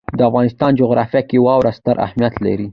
د افغانستان جغرافیه کې واوره ستر اهمیت لري.